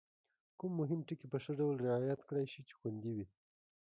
کوم مهم ټکي په ښه ډول رعایت کړای شي چې خوندي وي؟